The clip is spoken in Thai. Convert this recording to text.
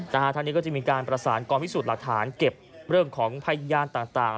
ทางนี้ก็จะมีการประสานกองพิสูจน์หลักฐานเก็บเรื่องของพยานต่าง